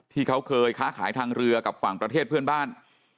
ที่เขาเคยค้าขายทางเรือกับฝั่งประเทศเพื่อนบ้าน